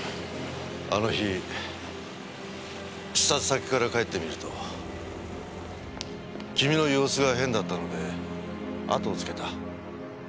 あの日視察先から帰ってみると君の様子が変だったのであとをつけた。